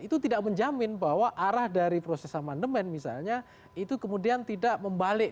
itu tidak menjamin bahwa arah dari proses amandemen misalnya itu kemudian tidak membalik